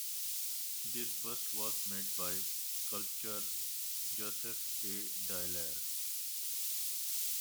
This bust was made by sculptor Josef A. Dialer.